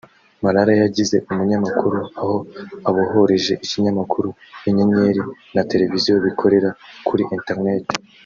Marara yigize umunyamakuru aho abohoreje Ikinyamakuru Inyenyeri na television bikorera kuri internet